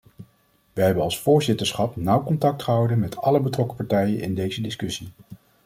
Wij hebben als voorzitterschap nauw contact gehouden met alle betrokken partijen in deze discussie.